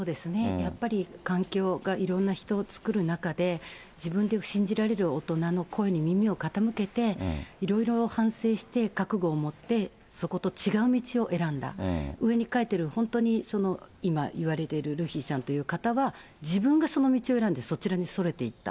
やっぱり、環境がいろんな人を作る中で、自分で信じられる大人の声に耳を傾けて、いろいろ反省して、覚悟を持って、そこと違う道を選んだ、上に書いてる、本当に今、言われているルフィさんという方は、自分がその道を選んで、そちらにそれていった。